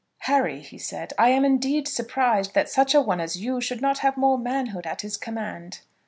"Harry," he said, "I am, indeed, surprised that such a one as you should not have more manhood at his command."